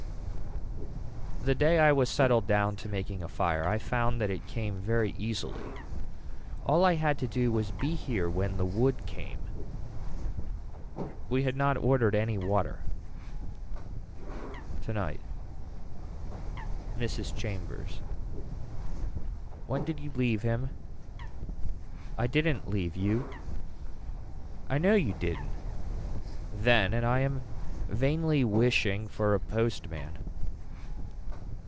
The day I was settled down to making a fire I found that it came very easily. All I had to do was to be here when the wood came. We had not ordered any water. Tonight. Mrs. Chambers. When did you leave him. I didn't leave you. I know you didn't then and I am vainly wishing for a postman.